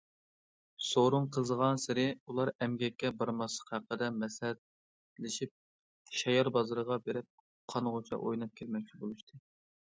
سورۇن قىزىغانسېرى ئۇلار ئەمگەككە بارماسلىق ھەققىدە مەسلىھەتلىشىپ شايار بازىرىغا بېرىپ قانغۇچە ئويناپ كەلمەكچى بولۇشتى.